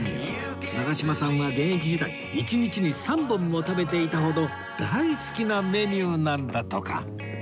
長嶋さんは現役時代１日に３本も食べていたほど大好きなメニューなんだとか